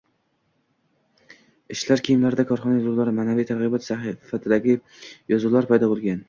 Ishchilar kiyimlarida korxona yozuvlari, maʼnaviy targʻibot sifatidagi yozuvlar paydo boʻlgan.